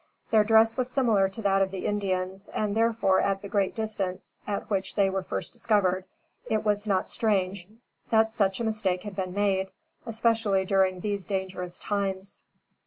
Their dress was similar to that of the Indians, and therefore at the great distance at which they were first discovered, it is not strange that such a mistake had been made, especially during these dangerous times.